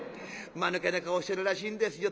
マヌケな顔してるらしいんですよ。